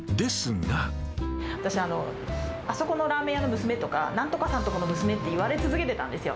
私、あそこのラーメン屋の娘とか、なんとかさんの所の娘って言われ続けてたんですよ。